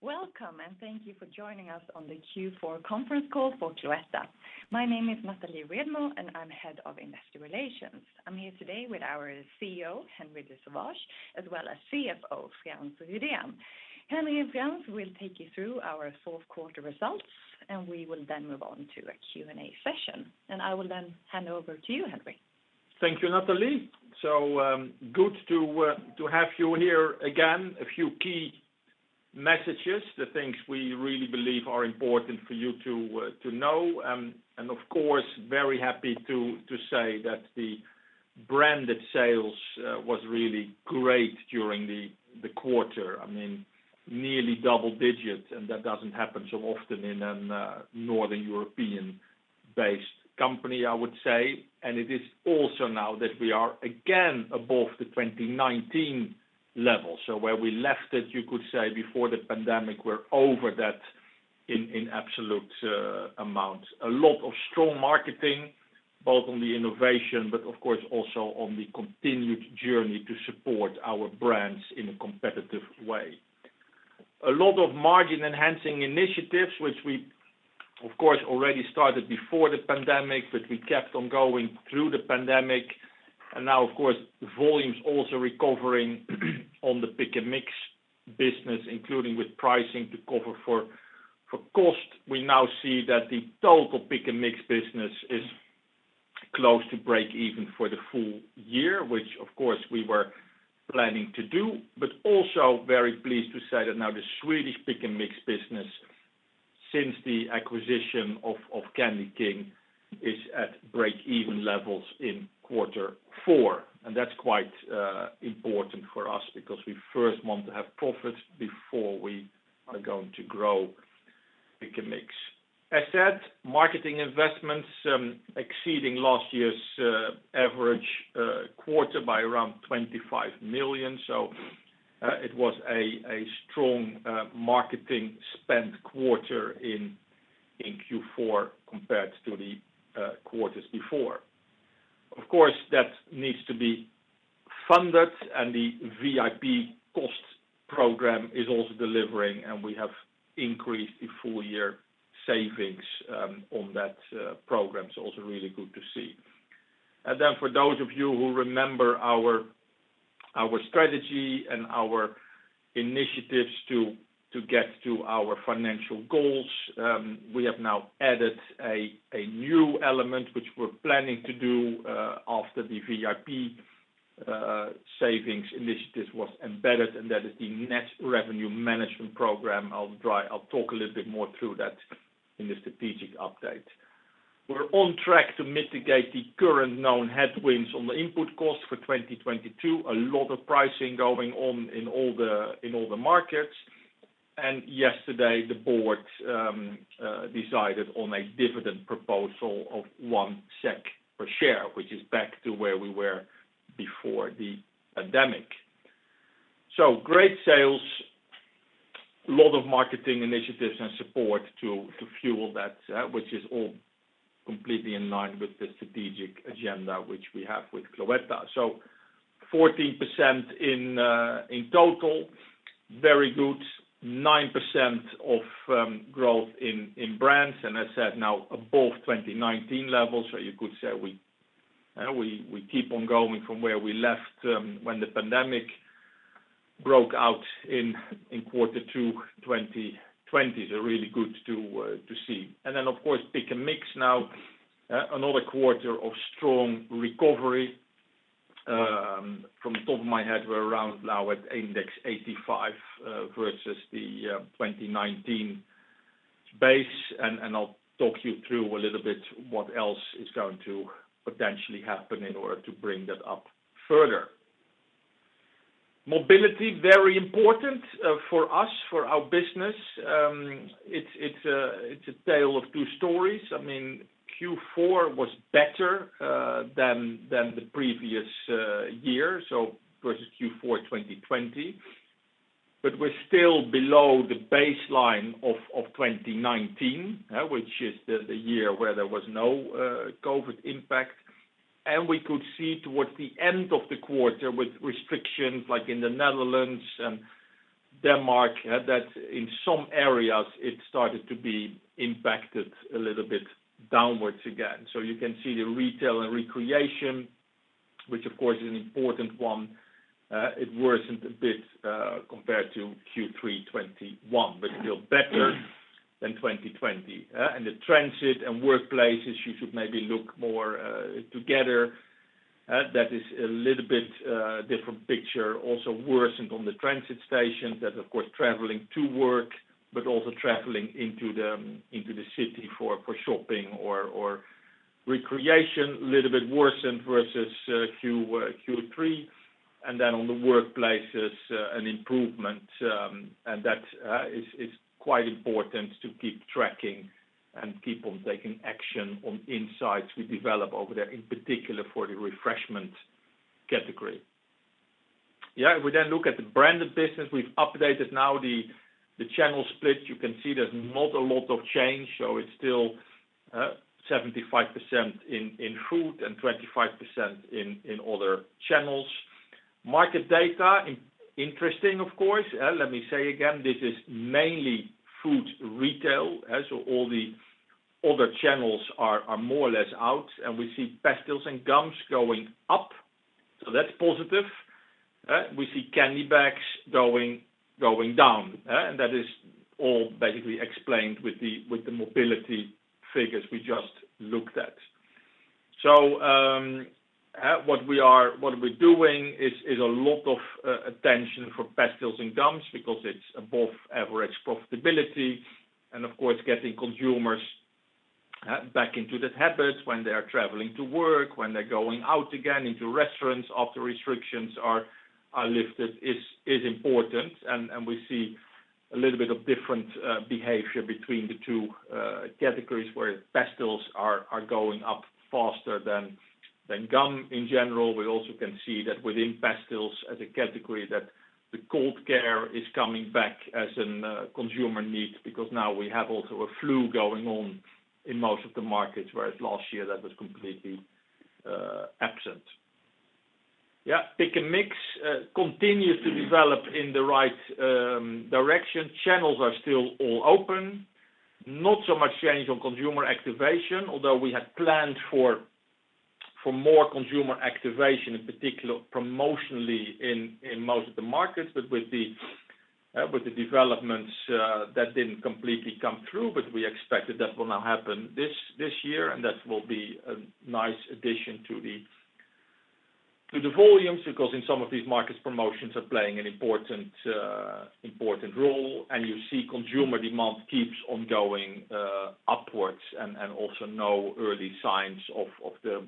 Welcome, and thank you for joining us on the Q4 conference call for Cloetta. My name is Nathalie Redmo, and I'm head of investor relations. I'm here today with our CEO, Henri de Sauvage Nolting, as well as CFO, Frans Rydén. Henri and Frans will take you through our fourth quarter results, and we will then move on to a Q&A session. I will then hand over to you, Henri. Thank you, Nathalie. Good to have you here again. A few key messages, the things we really believe are important for you to know. Of course, very happy to say that the branded sales was really great during the quarter. I mean, nearly double digits, and that doesn't happen so often in a Northern European-based company, I would say. It is also now that we are again above the 2019 level. Where we left it, you could say, before the pandemic, we're over that in absolute amounts. A lot of strong marketing, both on the innovation, but of course also on the continued journey to support our brands in a competitive way. A lot of margin enhancing initiatives, which we of course already started before the pandemic, but we kept on going through the pandemic. Now of course, volumes also recovering on the Pick & Mix business, including with pricing to cover for cost. We now see that the total Pick & Mix business is close to break even for the full year, which of course we were planning to do. Also very pleased to say that now the Swedish Pick & Mix business, since the acquisition of CandyKing, is at break even levels in quarter four. That's quite important for us because we first want to have profit before we are going to grow Pick & Mix. As said, marketing investments exceeding last year's average quarter by around 25 million. It was a strong marketing spend quarter in Q4 compared to the quarters before. Of course, that needs to be funded, and the VIP cost program is also delivering, and we have increased the full-year savings on that program. Also really good to see. For those of you who remember our strategy and our initiatives to get to our financial goals, we have now added a new element which we're planning to do after the VIP savings initiatives was embedded, and that is the Net Revenue Management program. I'll talk a little bit more through that in the strategic update. We're on track to mitigate the current known headwinds on the input costs for 2022. A lot of pricing going on in all the markets. Yesterday, the boards decided on a dividend proposal of 1 SEK per share, which is back to where we were before the pandemic. Great sales, a lot of marketing initiatives and support to fuel that, which is all completely in line with the strategic agenda which we have with Cloetta. 14% in total, very good. 9% of growth in brands. As said, now above 2019 levels, so you could say we keep on going from where we left when the pandemic broke out in quarter two, 2020. Really good to see. Then of course, Pick & Mix now another quarter of strong recovery. From the top of my head, we're around now at index 85 versus the 2019 base. I'll talk you through a little bit what else is going to potentially happen in order to bring that up further. Mobility, very important for us, for our business. It's a tale of two stories. I mean, Q4 was better than the previous year, so versus Q4 2020. We're still below the baseline of 2019, which is the year where there was no COVID impact. We could see towards the end of the quarter with restrictions like in the Netherlands and Denmark that in some areas it started to be impacted a little bit downwards again. You can see the retail and recreation, which of course is an important one. It worsened a bit compared to Q3 2021, but still better than 2020. The transit and workplaces, you should maybe look more together. That is a little bit different picture, also worsened on the transit stations. That's of course traveling to work, but also traveling into the city for shopping or recreation, little bit worsened versus Q3. On the workplaces, an improvement, and that is quite important to keep tracking and keep on taking action on insights we develop over there, in particular for the Refreshment category. Yeah, if we then look at the Branded business, we've updated now the channel split. You can see there's not a lot of change. It's still 75% in food and 25% in other channels. Market data interesting, of course. Let me say again, this is mainly food retail as all the other channels are more or less out, and we see Pastilles and Gums going up. That's positive. We see Candy bags going down, and that is all basically explained with the mobility figures we just looked at. What we're doing is a lot of attention for Pastilles and Gums because it's above average profitability, and of course, getting consumers back into that habit when they are traveling to work, when they're going out again into restaurants after restrictions are lifted is important. We see a little bit of different behavior between the two categories where Pastilles are going up faster than Gum in general. We also can see that within Pastilles as a category that the Cold Care is coming back as a consumer need because now we have also a flu going on in most of the markets, whereas last year that was completely absent. Yeah, Pick & Mix continues to develop in the right direction. Channels are still all open. Not so much change on Consumer Activation, although we had planned for more Consumer Activation, in particular promotionally in most of the markets. With the developments that didn't completely come through, but we expected that will now happen this year, and that will be a nice addition to the volumes, because in some of these markets, promotions are playing an important role. You see Consumer demand keeps on going upwards and also no early signs of the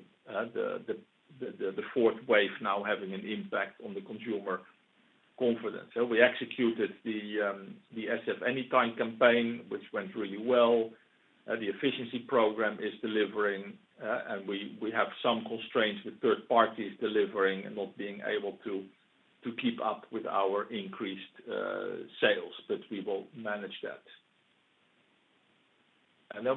fourth wave now having an impact on the Consumer confidence. We executed the SF Anytime campaign, which went really well. The efficiency program is delivering and we have some constraints with third parties delivering and not being able to keep up with our increased sales, but we will manage that.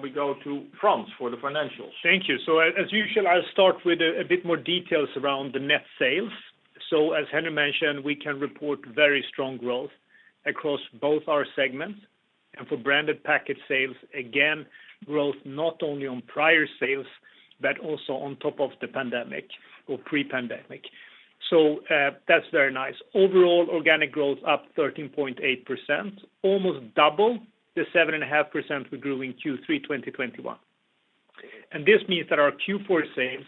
We go to Frans for the financials. Thank you. As usual, I'll start with a bit more details around the net sales. As Henri mentioned, we can report very strong growth across both our segments. For Branded Packaged sales, again, growth not only on prior sales but also on top of the pandemic or pre-pandemic. That's very nice. Overall, organic growth up 13.8%, almost double the 7.5% we grew in Q3 2021. This means that our Q4 sales,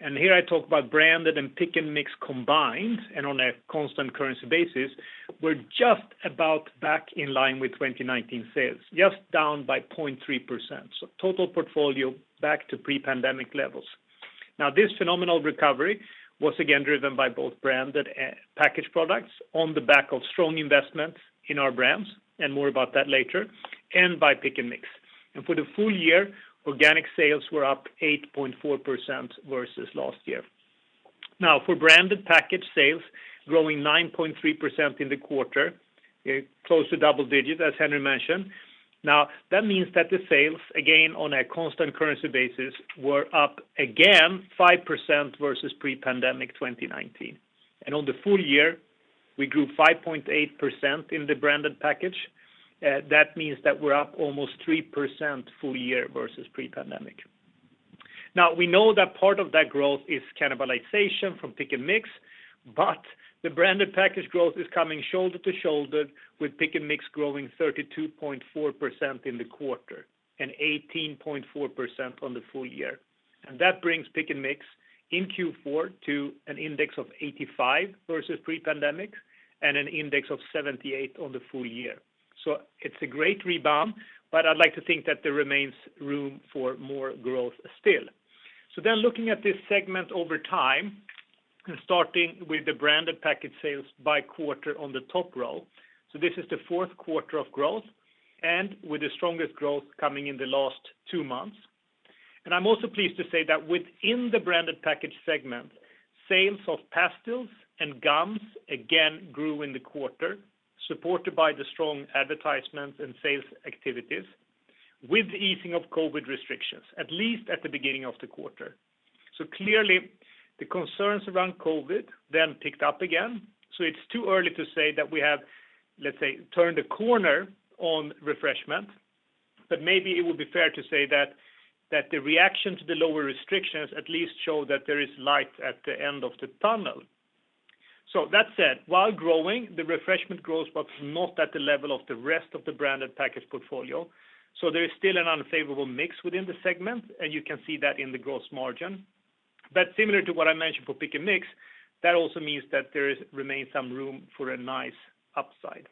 and here I talk about Branded and Pick & Mix combined, and on a constant currency basis, we're just about back in line with 2019 sales, just down by 0.3%. Total portfolio back to pre-pandemic levels. Now, this phenomenal recovery was again driven by both Branded Packaged products on the back of strong investment in our brands, and more about that later, and by Pick & Mix. For the full year, organic sales were up 8.4% versus last year. Now, for Branded Packaged sales growing 9.3% in the quarter, close to double digits, as Henri mentioned. Now, that means that the sales, again, on a constant currency basis, were up again 5% versus pre-pandemic 2019. On the full year, we grew 5.8% in the Branded Packaged. That means that we're up almost 3% full year versus pre-pandemic. Now, we know that part of that growth is cannibalization from Pick & Mix, but the branded packaged growth is coming shoulder to shoulder with Pick & Mix growing 32.4% in the quarter and 18.4% on the full year. That brings Pick & Mix in Q4 to an index of 85 million versus pre-pandemic and an index of 78 million on the full year. It's a great rebound, but I'd like to think that there remains room for more growth still. Looking at this segment over time, starting with the branded packaged sales by quarter on the top row. This is the fourth quarter of growth and with the strongest growth coming in the last two months. I'm also pleased to say that within the Branded Packaged segment, sales of pastilles and gums again grew in the quarter, supported by the strong advertisements and sales activities with the easing of COVID restrictions, at least at the beginning of the quarter. Clearly, the concerns around COVID then picked up again. It's too early to say that we have, let's say, turned a corner on Refreshment, but maybe it would be fair to say that the reaction to the lower restrictions at least show that there is light at the end of the tunnel. That said, while growing, the Refreshment growth was not at the level of the rest of the Branded Packaged portfolio. There is still an unfavorable mix within the segment, and you can see that in the gross margin. Similar to what I mentioned for Pick & Mix, that also means that there remains some room for a nice upside.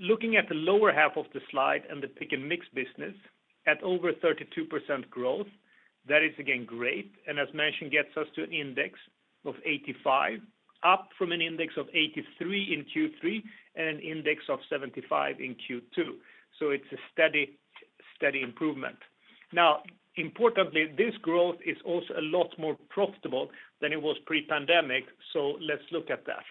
Looking at the lower half of the slide and the Pick & Mix business at over 32% growth, that is again great, and as mentioned, gets us to an index of 85 million up from an index of 83 million in Q3 and an index of 75 million in Q2. It's a steady improvement. Now, importantly, this growth is also a lot more profitable than it was pre-pandemic. Let's look at that.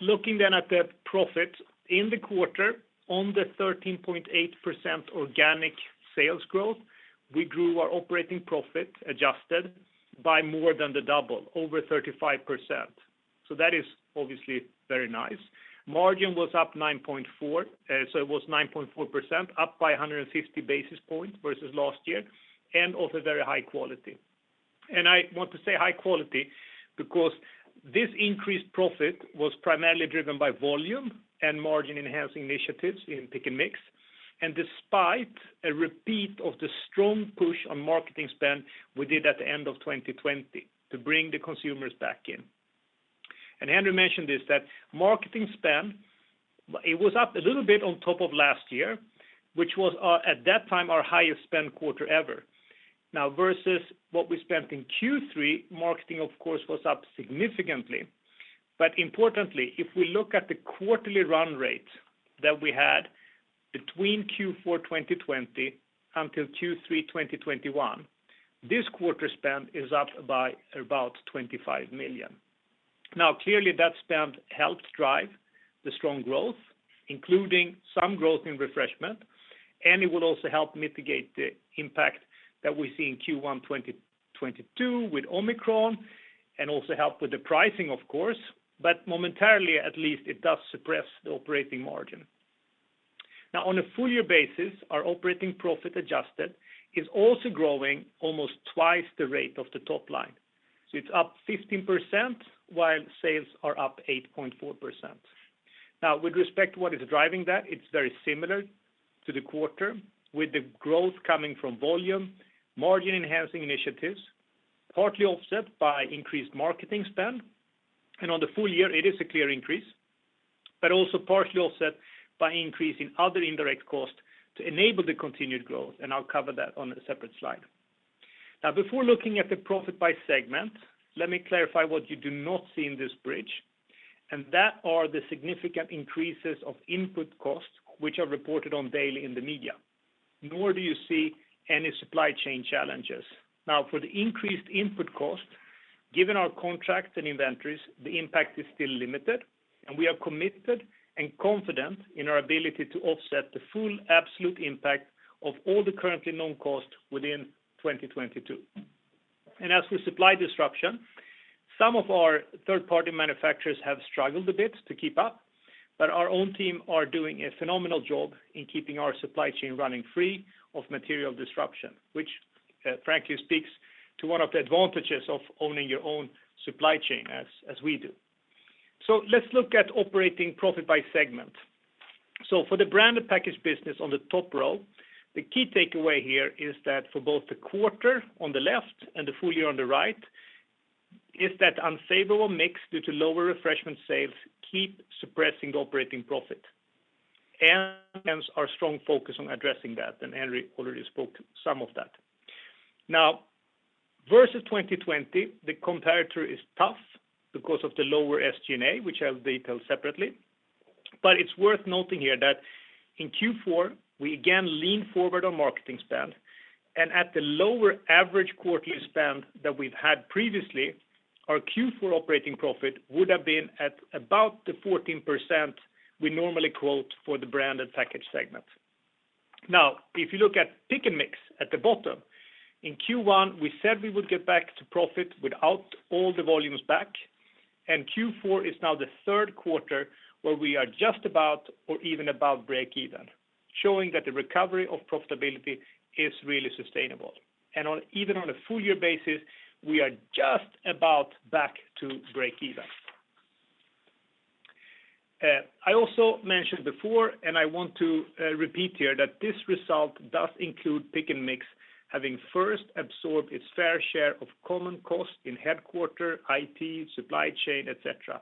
Looking then at the profit in the quarter on the 13.8% organic sales growth, we grew our operating profit adjusted by more than double over 35%. That is obviously very nice. Margin was up 9.4%, so it was 9.4% up by 150 basis points versus last year and also very high quality. I want to say high quality because this increased profit was primarily driven by volume and margin enhancing initiatives in Pick & Mix. Despite a repeat of the strong push on marketing spend we did at the end of 2020 to bring the Consumers back in. Henri mentioned this, that marketing spend, it was up a little bit on top of last year, which was our, at that time, our highest spend quarter ever. Now versus what we spent in Q3, marketing of course, was up significantly. Importantly, if we look at the quarterly run rate that we had between Q4 2020 until Q3 2021, this quarter spend is up by about 25 million. Clearly that spend helps drive the strong growth, including some growth in Refreshment, and it will also help mitigate the impact that we see in Q1 2022 with Omicron and also help with the pricing of course, but momentarily at least it does suppress the operating margin. On a full year basis, our operating profit adjusted is also growing almost twice the rate of the top line. It's up 15% while sales are up 8.4%. With respect to what is driving that, it's very similar to the quarter with the growth coming from volume, margin enhancing initiatives, partly offset by increased marketing spend. On the full year it is a clear increase, but also partially offset by increasing other indirect costs to enable the continued growth. I'll cover that on a separate slide. Now before looking at the profit by segment, let me clarify what you do not see in this bridge, and that are the significant increases of input costs which are reported on daily in the media, nor do you see any supply chain challenges. Now for the increased input cost, given our contracts and inventories, the impact is still limited and we are committed and confident in our ability to offset the full absolute impact of all the currently known costs within 2022. As with supply disruption, some of our third party manufacturers have struggled a bit to keep up. Our own team are doing a phenomenal job in keeping our supply chain running free of material disruption, which frankly speaks to one of the advantages of owning your own supply chain as we do. Let's look at operating profit by segment. For the branded packaged business on the top row, the key takeaway here is that for both the quarter on the left and the full year on the right, is that unfavorable mix due to lower Refreshment sales keep suppressing the operating profit and our strong focus on addressing that. Henri already spoke some of that. Now versus 2020 the comparator is tough because of the lower SG&A, which I'll detail separately, but it's worth noting here that in Q4 we again lean forward on marketing spend and at the lower average quarterly spend that we've had previously, our Q4 operating profit would have been at about the 14% we normally quote for the branded package segment. Now if you look at Pick & Mix at the bottom in Q1 we said we would get back to profit without all the volumes back. Q4 is now the third quarter where we are just about or even above breakeven, showing that the recovery of profitability is really sustainable. Even on a full year basis, we are just about back to breakeven. I also mentioned before, and I want to repeat here that this result does include Pick & Mix, having first absorbed its fair share of common costs in headquarters, IT, supply chain, etc.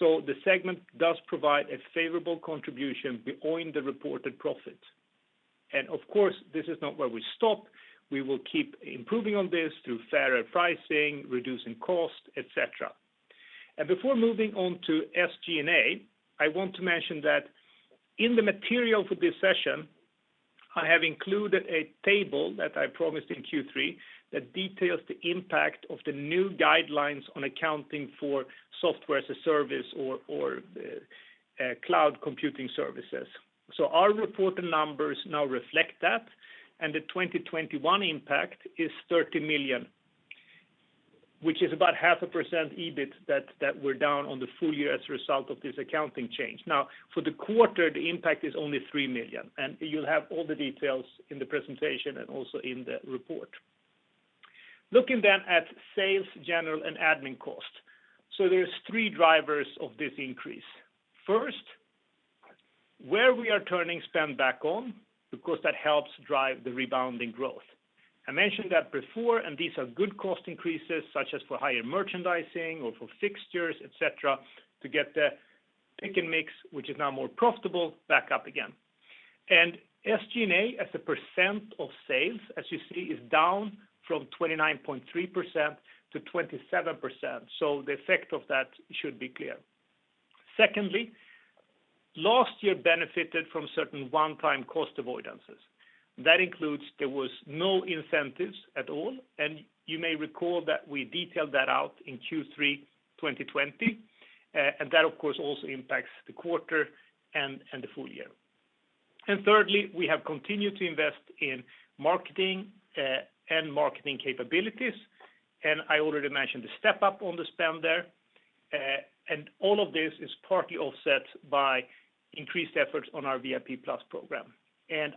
The segment does provide a favorable contribution behind the reported profit. Of course, this is not where we stop. We will keep improving on this through fairer pricing, reducing costs, etc. Before moving on to SG&A, I want to mention that in the material for this session, I have included a table that I promised in Q3 that details the impact of the new guidelines on accounting for software as a service or cloud computing services. Our reported numbers now reflect that and the 2021 impact is 30 million, which is about 0.5% EBIT that we're down on the full year as a result of this accounting change. Now for the quarter, the impact is only 3 million and you'll have all the details in the presentation and also in the report. Looking at sales general and admin costs. There's three drivers of this increase. First, where we are turning spend back on because that helps drive the rebounding growth. I mentioned that before, and these are good cost increases, such as for higher merchandising or for fixtures, etc., to get the Pick & Mix, which is now more profitable back up again. SG&A as a percent of sales as you see is down from 29.3% to 27%. The effect of that should be clear. Secondly, last year benefited from certain one-time cost avoidances. That includes there was no incentives at all, and you may recall that we detailed that out in Q3 2020. And that of course also impacts the quarter and the full year. Thirdly, we have continued to invest in marketing and marketing capabilities, and I already mentioned the step-up on the spend there. And all of this is partly offset by increased efforts on our VIP+ program.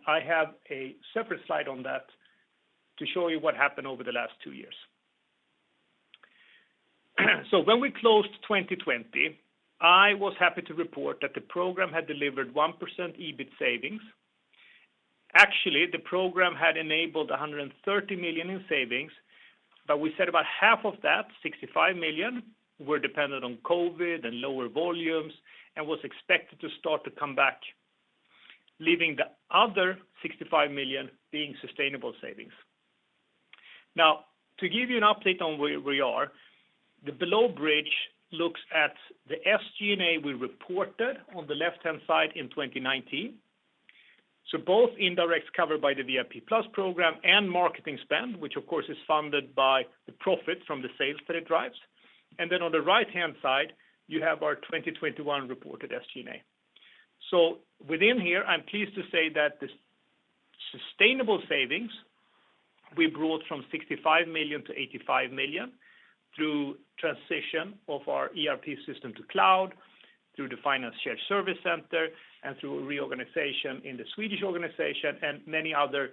I have a separate slide on that to show you what happened over the last two years. When we closed 2020, I was happy to report that the program had delivered 1% EBIT savings. Actually, the program had enabled 130 million in savings, but we said about half of that, 65 million, were dependent on COVID and lower volumes and was expected to start to come back, leaving the other 65 million being sustainable savings. Now, to give you an update on where we are, the below bridge looks at the SG&A we reported on the left-hand side in 2019. Both indirect covered by the VIP+ program and marketing spend, which of course is funded by the profit from the sales that it drives. Then on the right-hand side, you have our 2021 reported SG&A. Within here, I'm pleased to say that the sustainable savings we brought from 65 million-85 million through transition of our ERP system to cloud, through the finance shared service center, and through reorganization in the Swedish organization and many other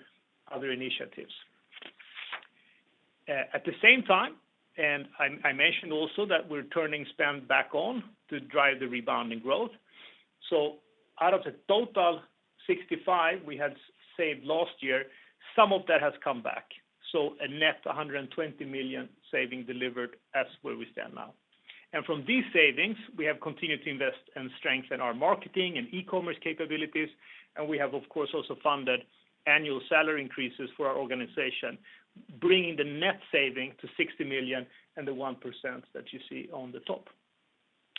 initiatives. At the same time, I mentioned also that we're turning spend back on to drive the rebounding growth. Out of the total 65 million we had saved last year, some of that has come back. A net 120 million saving delivered as where we stand now. From these savings, we have continued to invest and strengthen our marketing and e-commerce capabilities, and we have, of course, also funded annual salary increases for our organization, bringing the net saving to 60 million and the 1% that you see on the top.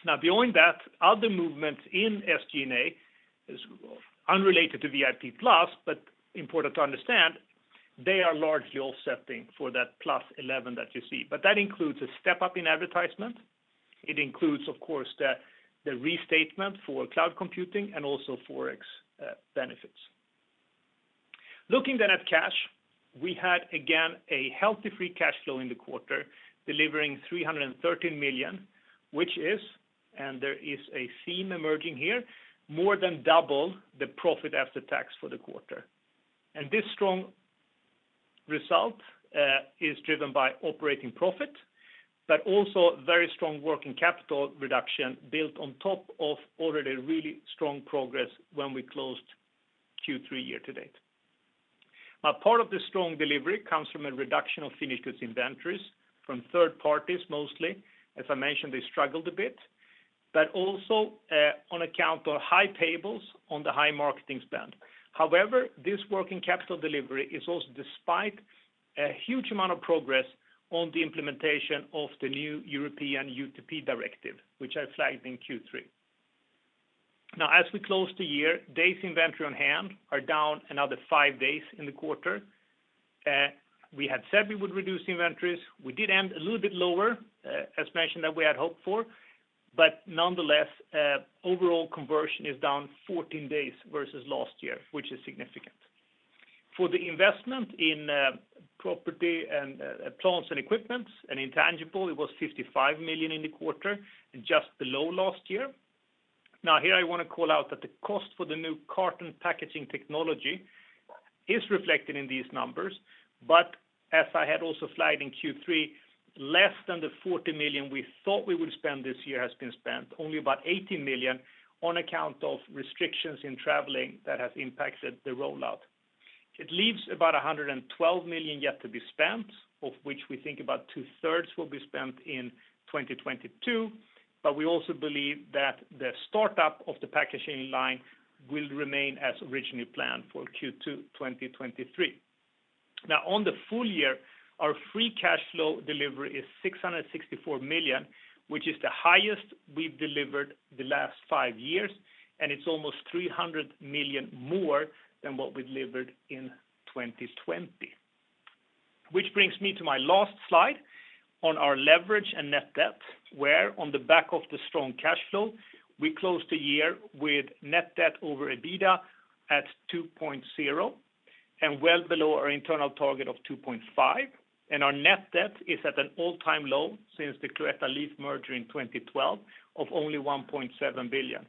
Now, beyond that, other movements in SG&A are unrelated to VIP+, but important to understand, they are largely offsetting for that +11 that you see. That includes a step-up in advertisement. It includes, of course, the restatement for cloud computing and also Forex benefits. Looking then at cash, we had again a healthy free cash flow in the quarter, delivering 313 million, which is, and there is a theme emerging here, more than double the profit after tax for the quarter. This strong result is driven by operating profit, but also very strong Working Capital reduction built on top of already really strong progress when we closed Q3 year to date. Now, part of the strong delivery comes from a reduction of finished goods inventories from third parties mostly. As I mentioned, they struggled a bit, but also, on account of high payables on the high marketing spend. However, this Working Capital delivery is also despite a huge amount of progress on the implementation of the new European UTP directive, which I flagged in Q3. Now, as we close the year, days inventory on hand are down another five days in the quarter. We had said we would reduce inventories. We did end a little bit lower, as mentioned that we had hoped for, but nonetheless, overall conversion is down 14 days versus last year, which is significant. For the investment in, Property, Plants and Equipment and intangible, it was 55 million in the quarter, just below last year. Now, here I want to call out that the cost for the new carton packaging technology is reflected in these numbers, but as I had also flagged in Q3, less than the 40 million we thought we would spend this year has been spent, only about 80 million on account of restrictions in traveling that has impacted the rollout. It leaves about 112 million yet to be spent, of which we think about two-thirds will be spent in 2022. We also believe that the start up of the packaging line will remain as originally planned for Q2 2023. Now, on the full year, our free cash flow delivery is 664 million, which is the highest we've delivered the last five years, and it's almost 300 million more than what we delivered in 2020. Which brings me to my last slide on our leverage and net debt, where on the back of the strong cash flow, we closed the year with Net Debt over EBITDA at 2.0 and well below our internal target of 2.5. Our net debt is at an all-time low since the Cloetta-LEAF merger in 2012 of only 1.7 billion.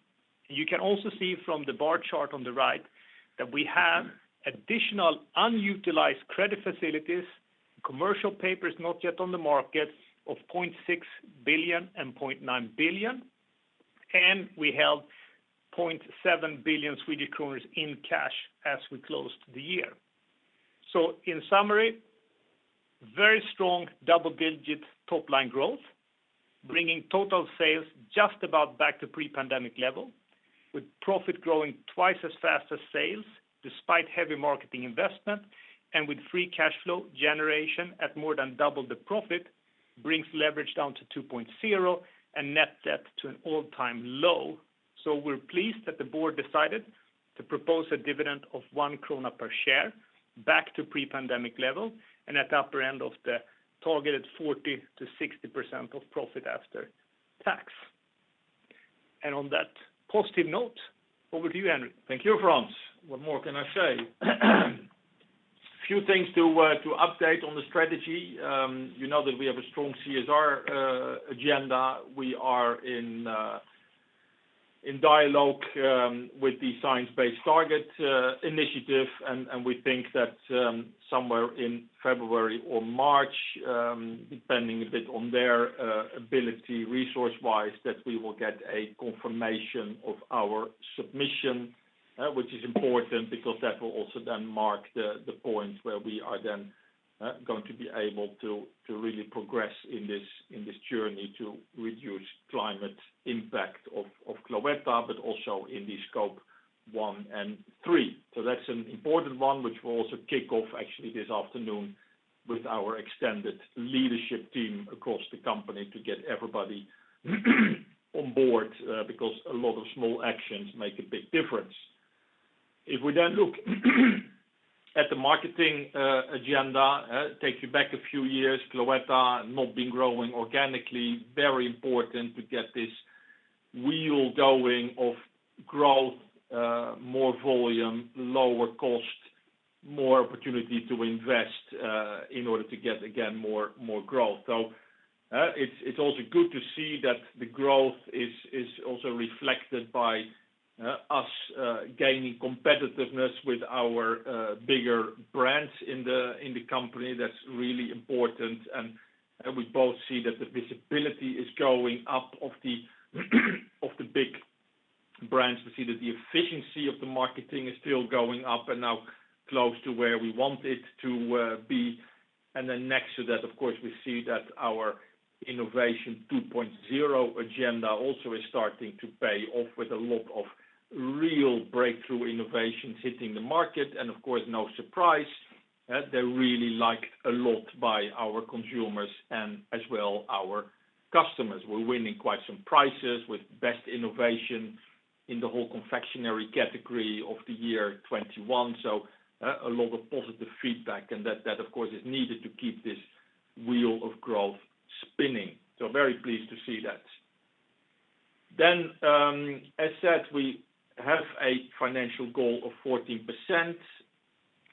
You can also see from the bar chart on the right that we have additional unutilized credit facilities, commercial papers not yet on the market of 0.6 billion and 0.9 billion, and we held 0.7 billion Swedish kronor in cash as we closed the year. In summary, very strong double-digit top-line growth, bringing total sales just about back to pre-pandemic level, with profit growing twice as fast as sales despite heavy marketing investment, and with free cash flow generation at more than double the profit. Brings leverage down to 2.0 and net debt to an all-time low. We're pleased that the board decided to propose a dividend of 1 krona per share back to pre-pandemic level and at the upper end of the targeted 40%-60% of profit after tax. On that positive note, over to you, Henri. Thank you, Frans. What more can I say? Few things to update on the strategy. You know that we have a strong CSR agenda. We are in dialogue with the Science Based Targets initiative. We think that somewhere in February or March, depending a bit on their ability resource-wise, that we will get a confirmation of our submission. Which is important because that will also then mark the point where we are then going to be able to really progress in this journey to reduce climate impact of Cloetta, but also in the Scope 1 and Scope 3. That's an important one, which we'll also kick off actually this afternoon with our extended leadership team across the company to get everybody on board, because a lot of small actions make a big difference. If we then look at the marketing agenda, take you back a few years, Cloetta not been growing organically, very important to get this wheel going of growth, more volume, lower cost, more opportunity to invest, in order to get, again, more growth. It's also good to see that the growth is also reflected by us gaining competitiveness with our bigger brands in the company. That's really important. We both see that the visibility is going up of the big brands. We see that the efficiency of the marketing is still going up and now close to where we want it to be. Next to that, of course, we see that our Innovation 2.0 agenda also is starting to pay off with a lot of real breakthrough innovations hitting the market. Of course, no surprise, they're really liked a lot by our consumers and as well our customers. We're winning quite some prizes with Best Innovation in the whole confectionery category of the year 2021. A lot of positive feedback. That, of course, is needed to keep this wheel of growth spinning. Very pleased to see that. As said, we have a financial goal of 14%.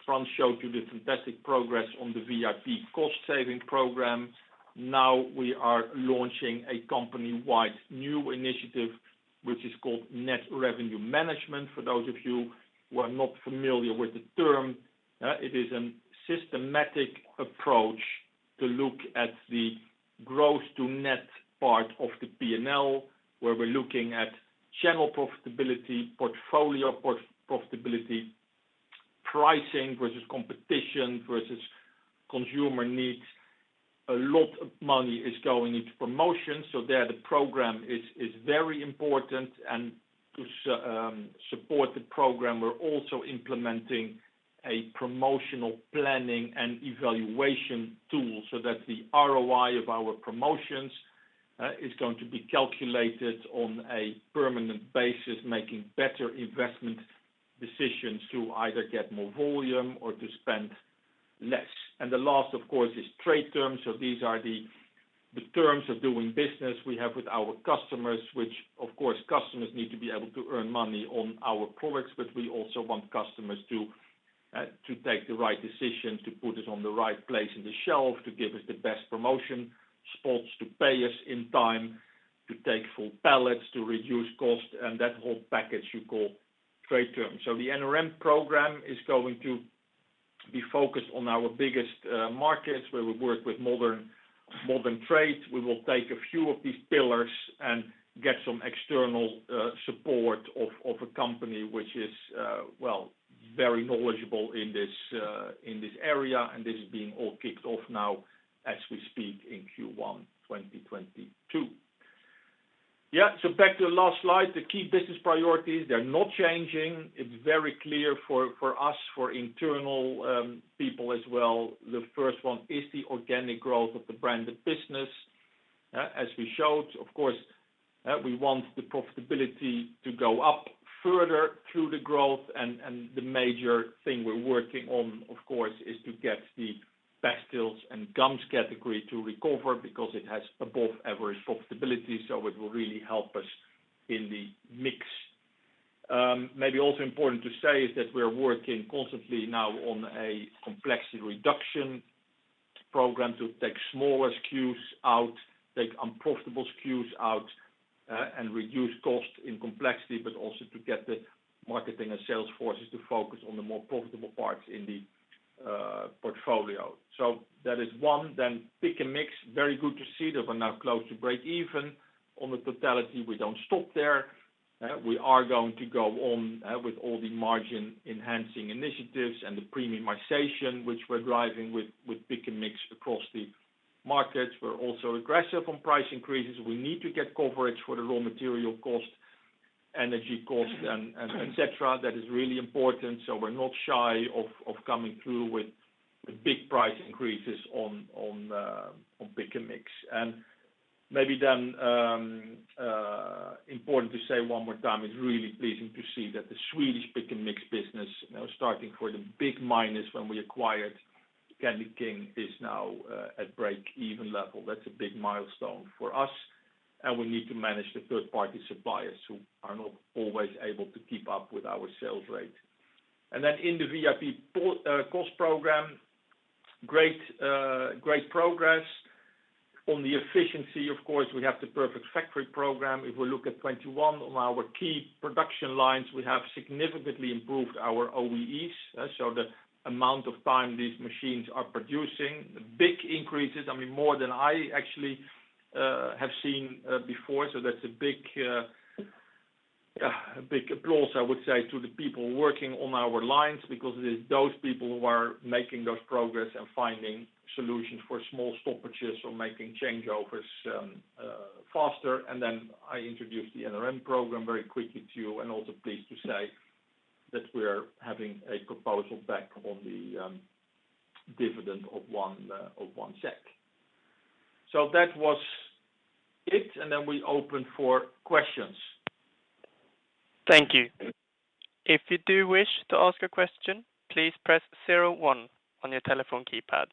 Frans showed you the fantastic progress on the VIP cost-saving program. Now we are launching a company-wide new initiative, which is called Net Revenue Management. For those of you who are not familiar with the term, it is a systematic approach to look at the growth to net part of the P&L, where we're looking at channel profitability, portfolio profitability, pricing versus competition, versus consumer needs. A lot of money is going into promotions. There, the program is very important. To support the program, we're also implementing a promotional planning and evaluation tool so that the ROI of our promotions is going to be calculated on a permanent basis, making better investment decisions to either get more volume or to spend less. The last, of course, is trade terms. These are the terms of doing business we have with our customers, which of course, customers need to be able to earn money on our products, but we also want customers to take the right decisions, to put us on the right place on the shelf, to give us the best promotion spots, to pay us in time, to take full pallets, to reduce cost, and that whole package you call trade terms. The NRM program is going to be focused on our biggest markets, where we work with modern trade. We will take a few of these pillars and get some external support of a company which is well, very knowledgeable in this area. This is being all kicked off now as we speak in Q1 2022. Yeah. Back to the last slide, the key business priorities. They're not changing. It's very clear for us, for internal people as well. The first one is the organic growth of the branded business. As we showed, of course, we want the profitability to go up further through the growth. The major thing we're working on, of course, is to get the Pastilles and Gums category to recover because it has above average profitability, so it will really help us in the mix. Maybe also important to say is that we're working constantly now on a complexity reduction program to take smaller SKUs out, take unprofitable SKUs out, and reduce cost in complexity, but also to get the marketing and sales forces to focus on the more profitable parts in the portfolio. That is one. Pick & Mix, very good to see that we're now close to break-even on the totality. We don't stop there. We are going to go on with all the margin-enhancing initiatives and the premiumization which we're driving with Pick & Mix across the markets. We're also aggressive on price increases. We need to get coverage for the raw material cost, energy costs and etc., that is really important, so we're not shy of coming through with the big price increases on Pick & Mix. Maybe then important to say one more time, it's really pleasing to see that the Swedish Pick & Mix business, you know, starting from the big minus when we acquired CandyKing is now at break-even level. That's a big milestone for us, and we need to manage the third-party suppliers who are not always able to keep up with our sales rate. In the VIP+ cost program, great progress. On the efficiency, of course, we have the Perfect Factory program. If we look at 2021, on our key production lines, we have significantly improved our OEEs, so the amount of time these machines are producing big increases, I mean, more than I actually have seen before. That's a big applause, I would say, to the people working on our lines because it is those people who are making those progress and finding solutions for small stoppages or making changeovers faster. I introduced the NRM program very quickly to you and I'm also pleased to say that we are having a proposal on the dividend of 1. That was it, and then we open for questions. Thank you. If you do wish to ask a question, please press zero one on your telephone keypad.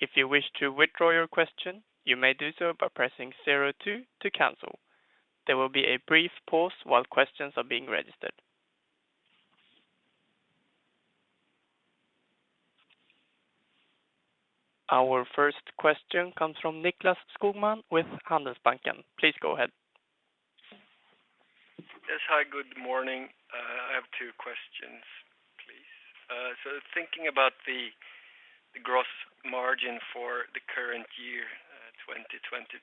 If you wish to withdraw your question, you may do so by pressing zero two to cancel. There will be a brief pause while questions are being registered. Our first question comes from Nicklas Skogman with Handelsbanken. Please go ahead. Yes. Hi, good morning. I have two questions, please. Thinking about the gross margin for the current year, 2022.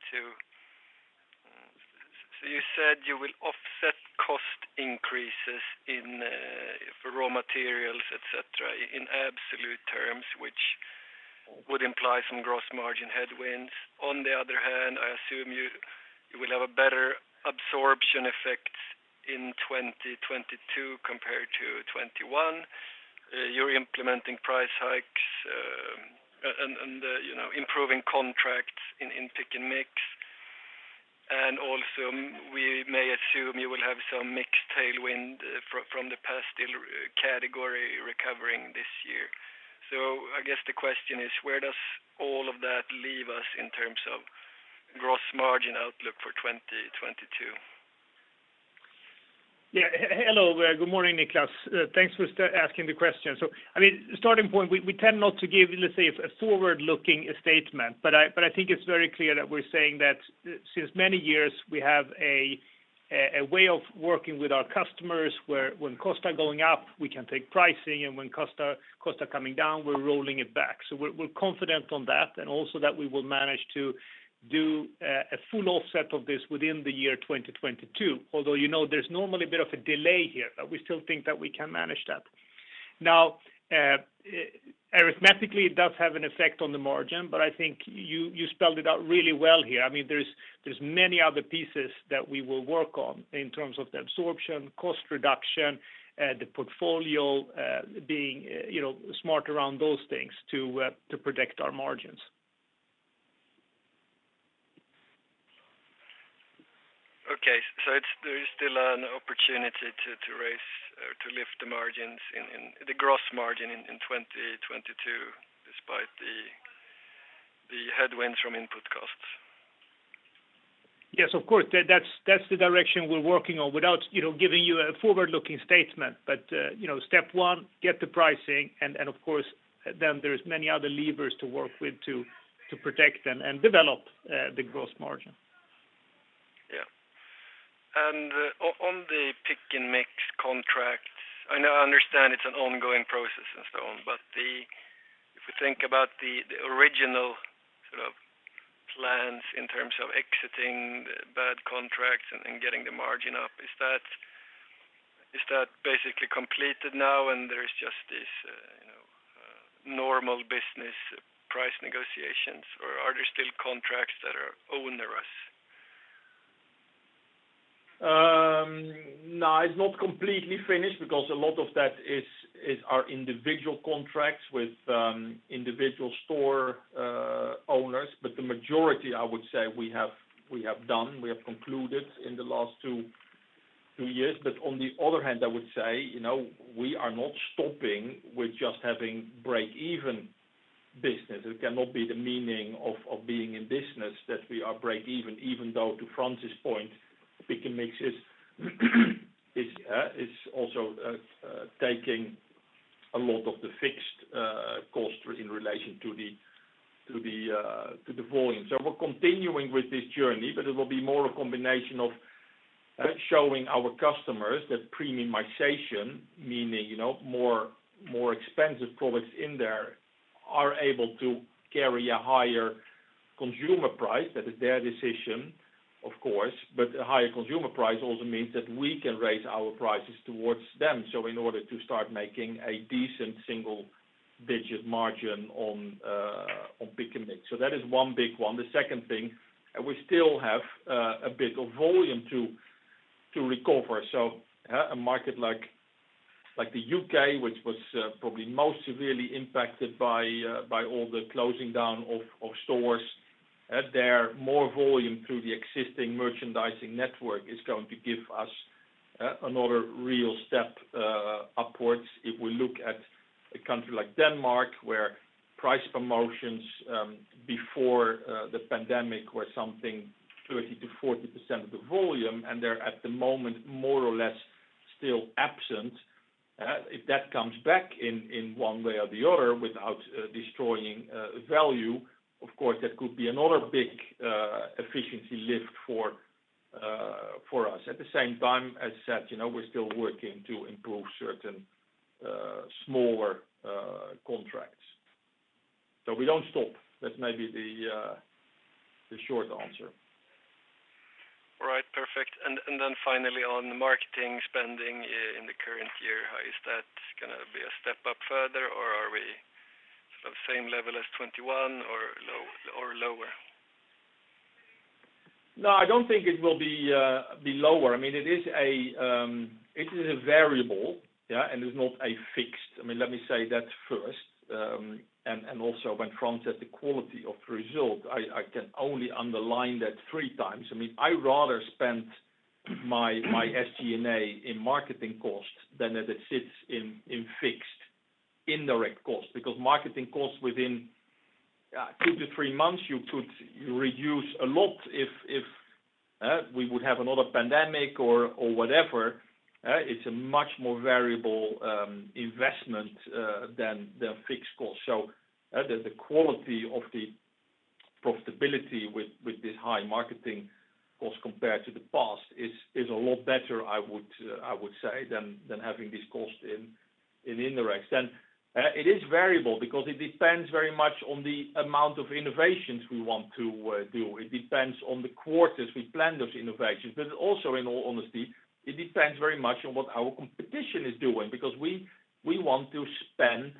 You said you will offset cost increases in for raw materials, etc., in absolute terms, which would imply some gross margin headwinds. On the other hand, I assume you will have a better absorption effect in 2022 compared to 2021. You're implementing price hikes, and you know, improving contracts in Pick & Mix. We may assume you will have some mix tailwind from the Pastilles category recovering this year. I guess the question is, where does all of that leave us in terms of gross margin outlook for 2022? Hello. Good morning, Nicklas. Thanks for asking the question. I mean, starting point, we tend not to give, let's say, a forward-looking statement. I think it's very clear that we're saying that since many years we have a way of working with our customers, where when costs are going up, we can take pricing, and when costs are coming down, we're rolling it back. We're confident on that and also that we will manage to do a full offset of this within the year 2022. Although, you know, there's normally a bit of a delay here, but we still think that we can manage that. Now, arithmetically, it does have an effect on the margin, but I think you spelled it out really well here. I mean, there's many other pieces that we will work on in terms of the absorption, cost reduction, the portfolio, being, you know, smart around those things to protect our margins. There is still an opportunity to raise or to lift the margins in the gross margin in 2022 despite the headwinds from input costs? Yes, of course. That's the direction we're working on without, you know, giving you a forward-looking statement. You know, step one, get the pricing and of course, then there's many other levers to work with to protect and develop the gross margin. On the Pick & Mix contracts, I understand it's an ongoing process and so on. If we think about the original sort of plans in terms of exiting the bad contracts and getting the margin up, is that basically completed now and there's just this, you know, normal business price negotiations? Are there still contracts that are onerous? No, it's not completely finished because a lot of that is our individual contracts with individual store owners. The majority, I would say, we have done, we have concluded in the last two years. On the other hand, I would say, you know, we are not stopping with just having break-even business. It cannot be the meaning of being in business that we are break even though to Frans' point, Pick & Mix is also taking a lot of the fixed costs in relation to the volume. We're continuing with this journey, but it will be more a combination of showing our customers that Premiumization, meaning, you know, more expensive products in there are able to carry a higher consumer price. That is their decision, of course, but a higher consumer price also means that we can raise our prices towards them. In order to start making a decent single-digit margin on Pick & Mix. That is one big one. The second thing, we still have a bit of volume to recover. Yeah, a market like the U.K., which was probably most severely impacted by all the closing down of stores, there more volume through the existing merchandising network is going to give us another real step upwards. If we look at a country like Denmark, where price promotions before the pandemic were something 30%-40% of the volume, and they're at the moment more or less still absent. If that comes back in one way or the other without destroying value, of course, that could be another big efficiency lift for us. At the same time, as said, you know, we're still working to improve certain smaller contracts. We don't stop. That may be the short answer. All right. Perfect. Then finally on the marketing spending in the current year, how is that gonna be a step up further? Or are we sort of same level as 2021 or lower? No, I don't think it will be lower. I mean, it is a variable, yeah, and is not a fixed. I mean, let me say that first. And also when Frans said the quality of the result, I can only underline that three times. I mean, I rather spend my SG&A in marketing costs than that it sits in fixed indirect costs. Because marketing costs within two to three months, you could reduce a lot if we would have another pandemic or whatever. It's a much more variable investment than the fixed cost. The quality of the profitability with this high marketing cost compared to the past is a lot better, I would say, than having this cost in indirect. It is variable because it depends very much on the amount of innovations we want to do. It depends on the quarters we plan those innovations. Also in all honesty, it depends very much on what our competition is doing because we want to spend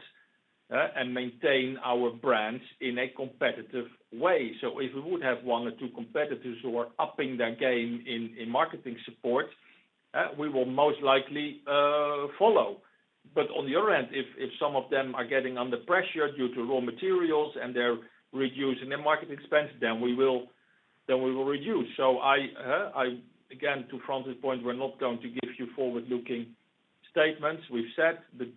and maintain our brands in a competitive way. If we would have one or two competitors who are upping their game in marketing support, we will most likely follow. On the other end, if some of them are getting under pressure due to raw materials and they're reducing their marketing expense, then we will reduce. Again, to Frans' point, we're not going to give you forward-looking statements. We've said the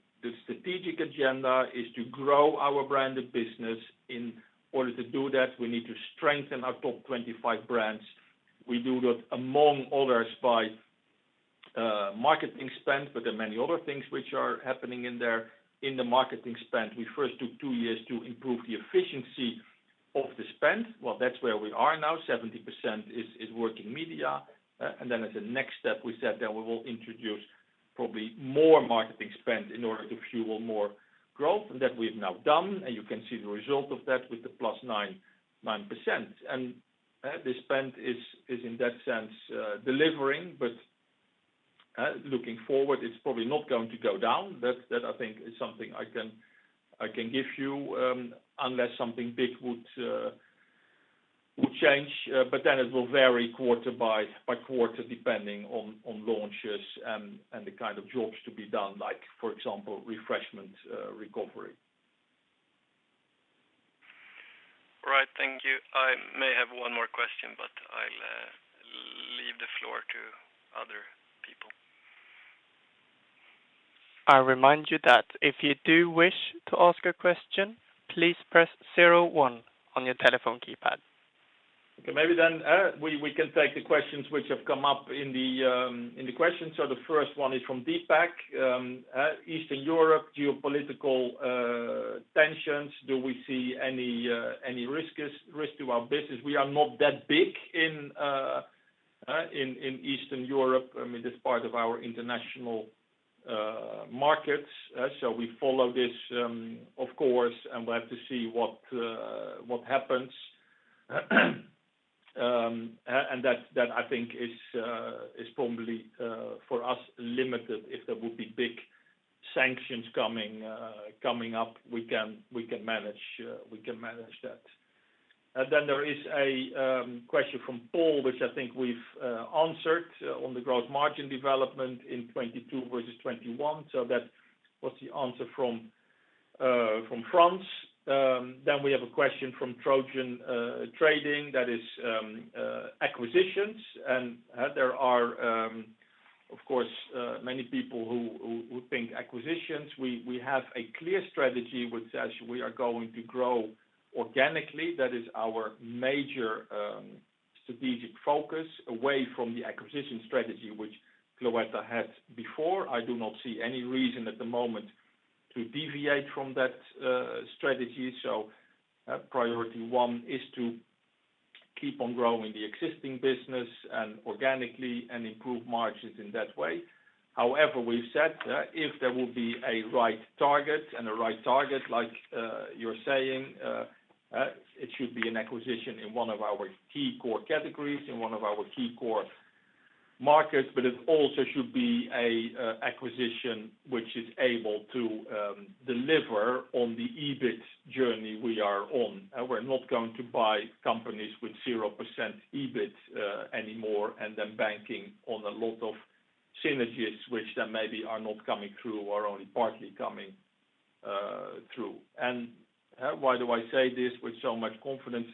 strategic agenda is to grow our Branded business. In order to do that, we need to strengthen our top 25 brands. We do that among others by marketing spend, but there are many other things which are happening in there. In the marketing spend, we first took two years to improve the efficiency of the spend. Well, that's where we are now. 70% is working media. Then as a next step, we said that we will introduce probably more marketing spend in order to fuel more growth. That we've now done, and you can see the result of that with the +9%. The spend is in that sense delivering, but looking forward, it's probably not going to go down. That I think is something I can give you, unless something big would change. It will vary quarter by quarter, depending on launches and the kind of jobs to be done, like for example, Refreshment's recovery. Right. Thank you. I may have one more question, but I'll leave the floor to other people. I remind you that if you do wish to ask a question, please press zero one on your telephone keypad. Okay. Maybe we can take the questions which have come up in the questions. The first one is from Deepak, Eastern Europe geopolitical tensions. Do we see any risk to our business? We are not that big in Eastern Europe. I mean, it is part of our international markets. We follow this, of course, and we'll have to see what happens. That I think is probably for us limited if there would be big sanctions coming up. We can manage that. There is a question from Paul, which I think we've answered on the gross margin development in 2022 versus 2021. That was the answer from Frans. Then we have a question from Trojan Trading that is acquisitions. There are of course many people who think acquisitions. We have a clear strategy, which says we are going to grow organically. That is our major strategic focus away from the acquisition strategy which Cloetta had before. I do not see any reason at the moment to deviate from that strategy. Priority one is to keep on growing the existing business organically and improve margins in that way. However, we've said if there will be a right target, like you're saying, it should be an acquisition in one of our key core categories, in one of our key core markets, but it also should be a acquisition which is able to deliver on the EBIT journey we are on. We're not going to buy companies with 0% EBIT anymore, and then banking on a lot of synergies which then maybe are not coming through or only partly coming through. Why do I say this with so much confidence?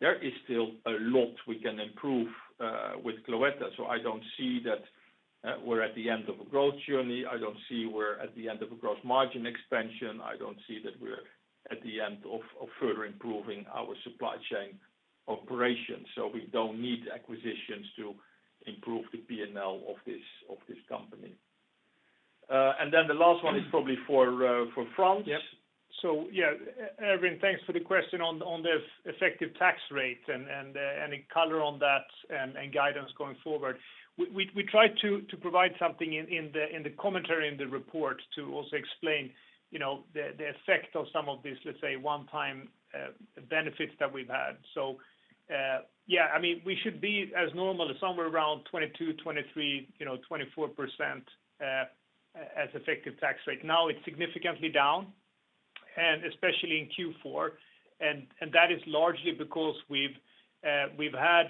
There is still a lot we can improve with Cloetta, so I don't see that we're at the end of a growth journey. I don't see we're at the end of a growth margin expansion. I don't see that we're at the end of further improving our supply chain operations. We don't need acquisitions to improve the P&L of this company. The last one is probably for Frans. Yeah, Irvin, thanks for the question on the effective tax rate, and any color on that and guidance going forward. We tried to provide something in the commentary in the report to also explain, you know, the effect of some of these, let's say, one-time benefits that we've had. Yeah. I mean, we should be as normal as somewhere around 22%, 23%, you know, 24% as effective tax rate. Now, it's significantly down, and especially in Q4. That is largely because we've had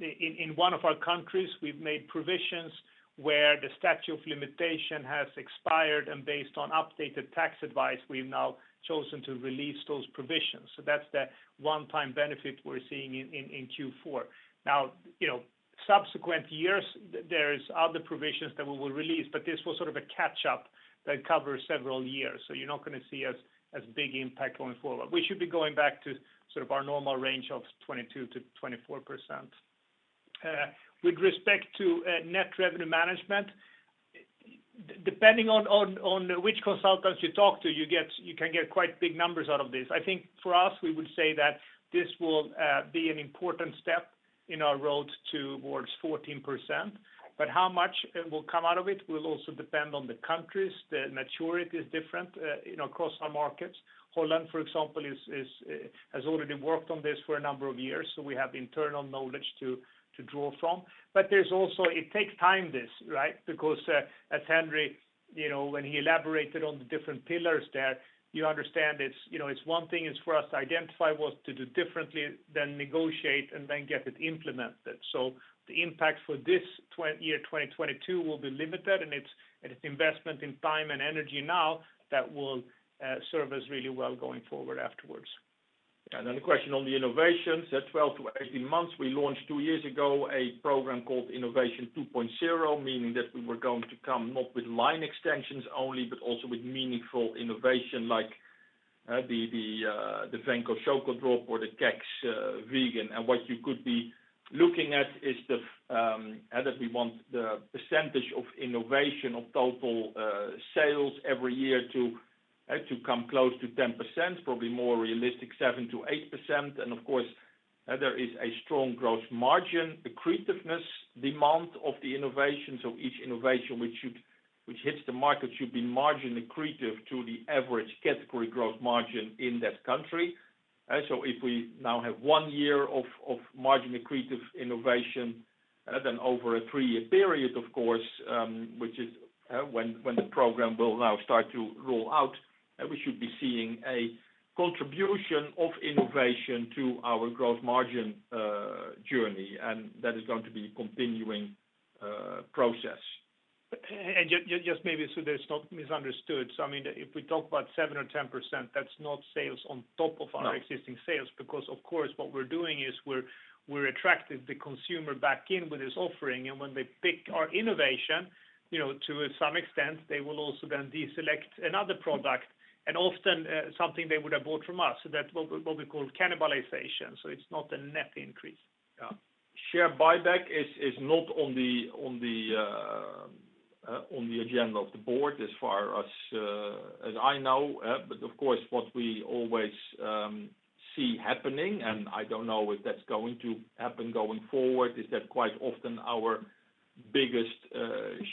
in one of our countries, we've made provisions where the statute of limitation has expired, and based on updated tax advice, we've now chosen to release those provisions. That's the one-time benefit we're seeing in Q4. Now, you know, subsequent years, there is other provisions that we will release, but this was sort of a catch-up that covers several years. You're not gonna see as big impact going forward. We should be going back to sort of our normal range of 22%-24%. With respect to Net Revenue Management, depending on which consultants you talk to, you can get quite big numbers out of this. I think for us, we would say that this will be an important step in our road towards 14%. But how much will come out of it will also depend on the countries. The maturity is different, you know, across our markets. Holland, for example, has already worked on this for a number of years, so we have internal knowledge to draw from. It takes time, this, right? Because, as Henri, you know, when he elaborated on the different pillars there, you understand it's, you know, it's one thing is for us to identify what to do differently, then negotiate, and then get it implemented. The impact for this year 2022 will be limited, and it's investment in time and energy now that will serve us really well going forward afterwards. The question on the innovations, the 12-18 months, we launched two years ago a program called Innovation 2.0, meaning that we were going to come not with line extensions only, but also with meaningful innovation like the Venco Choco D'rop or the Kexchoklad Vegan. What you could be looking at is how that we want the percentage of innovation of total sales every year to come close to 10%, probably more realistic 7%-8%. Of course, there is a strong growth margin, the creativeness demand of the innovation. Each innovation which hits the market should be margin Accretive to the average category growth margin in that country. If we now have one year of margin Accretive innovation, then over a three-year period, of course, which is when the program will now start to roll out, we should be seeing a contribution of innovation to our growth margin journey, and that is going to be a continuing process. Just maybe so that it's not misunderstood. I mean, if we talk about 7% or 10%, that's not sales on top of our existing sales because, of course, what we're doing is attracting the Consumer back in with this offering. When they pick our innovation, you know, to some extent, they will also then deselect another product, and often, something they would have bought from us. That's what we call Cannibalization, so it's not a net increase. Yeah. Share Buyback is not on the agenda of the board as far as I know. But of course, what we always see happening, and I don't know if that's going to happen going forward, is that quite often our biggest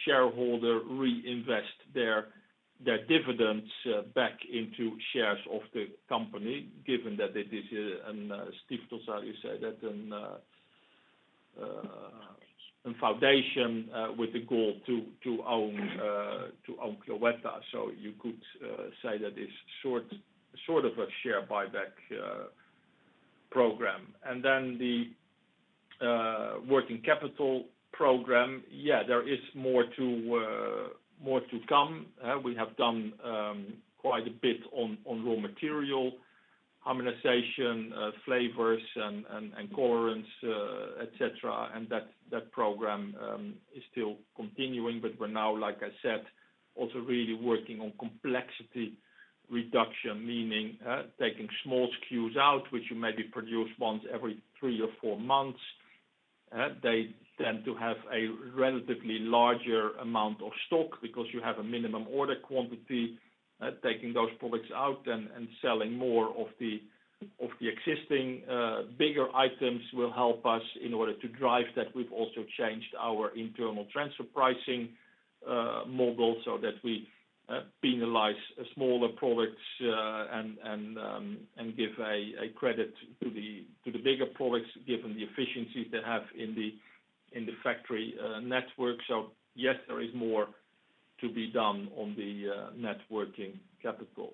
shareholder reinvest their dividends back into shares of the company, given that it is an Stiftelse, a foundation, with the goal to own Cloetta. So you could say that it's sort of a Share Buyback Program. Then the Working Capital Program, there is more to come. We have done quite a bit on raw material harmonization, flavors and colorants, etc., and that program is still continuing. We're now, like I said, also really working on complexity reduction, meaning taking small SKUs out, which you maybe produce once every three or four months. They tend to have a relatively larger amount of stock because you have a minimum order quantity. Taking those products out and selling more of the existing bigger items will help us in order to drive that. We've also changed our internal transfer pricing, MOQ goals so that we penalize smaller products and give a credit to the biggest products, given the efficiencies they have in the factory network. Yes, there is more to be done on the net working capital.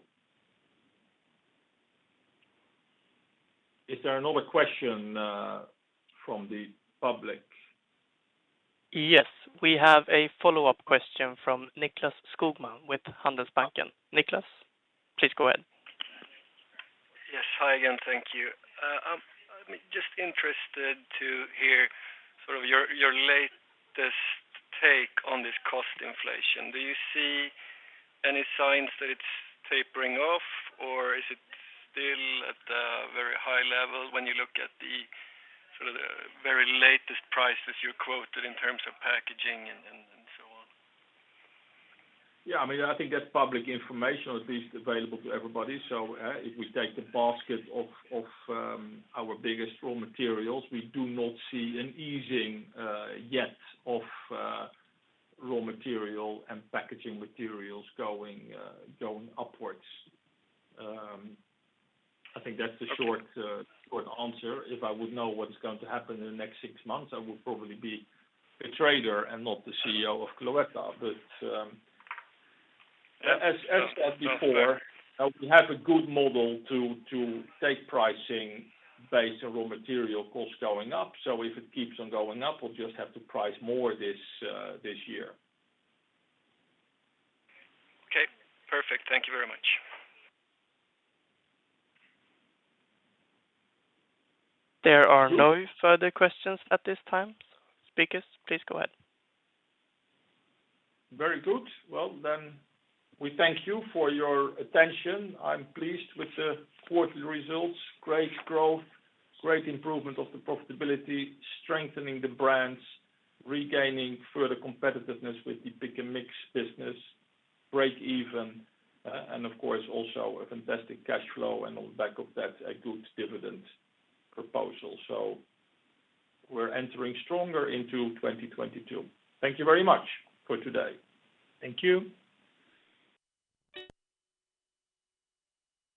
Is there another question from the public? Yes. We have a follow-up question from Nicklas Skogman with Handelsbanken. Nicklas, please go ahead. Yes. Hi again. Thank you. I'm just interested to hear sort of your latest take on this cost inflation. Do you see any signs that it's tapering off, or is it still at a very high level when you look at sort of the very latest prices you quoted in terms of packaging and so on? Yeah, I mean, I think that's public information, or at least available to everybody. If we take the basket of our biggest raw materials, we do not see an easing yet of raw material and packaging materials going upwards. I think that's the short answer. If I would know what's going to happen in the next six months, I would probably be a trader and not the CEO of Cloetta. As said before, we have a good model to take pricing based on raw material costs going up. If it keeps on going up, we'll just have to price more this year. Okay, perfect. Thank you very much. There are no further questions at this time. Speakers, please go ahead. Very good. Well, then, we thank you for your attention. I'm pleased with the quarterly results. Great growth, great improvement of the profitability, strengthening the brands, regaining further competitiveness with the Pick & Mix business, break even, and of course, also a fantastic cash flow and on back of that, a good dividend proposal. We're entering stronger into 2022. Thank you very much for today. Thank you.